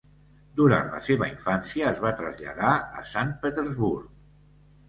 Durant la seva infància, es va traslladar a Sant Petersburg.